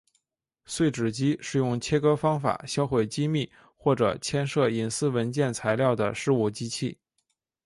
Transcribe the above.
碎纸机是用切割方法销毁机密或者牵涉隐私文件材料的事务机器。